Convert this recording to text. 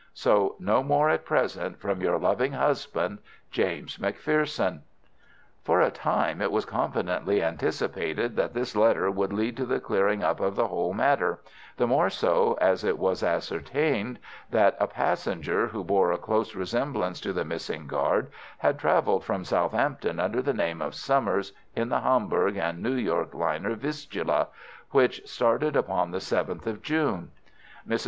So no more at present, from your loving husband, "JAMES MCPHERSON." For a time it was confidently anticipated that this letter would lead to the clearing up of the whole matter, the more so as it was ascertained that a passenger who bore a close resemblance to the missing guard had travelled from Southampton under the name of Summers in the Hamburg and New York liner Vistula, which started upon the 7th of June. Mrs.